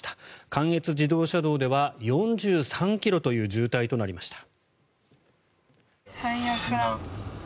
関越自動車道では４３ｋｍという渋滞となりました。